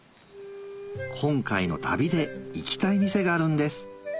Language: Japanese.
今回の旅で行きたい店があるんです